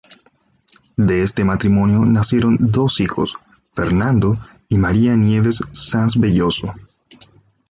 De este matrimonio nacieron dos hijos, Fernando y María Nieves Sanz Belloso.